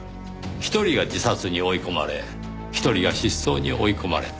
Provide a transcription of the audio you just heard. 一人が自殺に追い込まれ一人が失踪に追い込まれた。